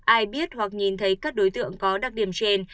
ai biết hoặc nhìn thấy các đối tượng có đặc điểm trên